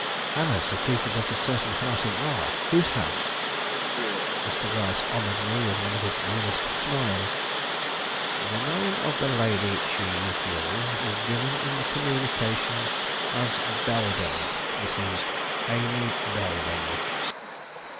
"Hannah secreted at a certain house in R ? Whose house?" Mr. Gryce honored me with one of his grimmest smiles. "The name of the lady she's with is given in the communication as Belden; Mrs. Amy Belden."